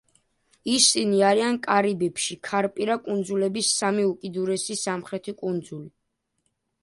ისინი არიან კარიბებში, ქარპირა კუნძულების სამი უკიდურესი სამხრეთი კუნძული.